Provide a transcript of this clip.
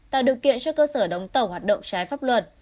tạo điều kiện cho cơ sở đóng tàu hoạt động trái pháp luật